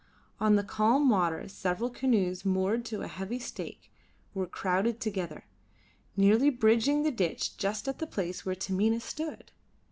On the calm water several canoes moored to a heavy stake were crowded together, nearly bridging the ditch just at the place where Taminah stood.